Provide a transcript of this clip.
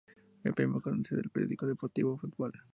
El premio lo concede el periódico deportivo, "Football".